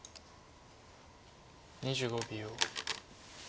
２５秒。